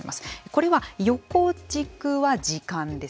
これは横軸は時間です。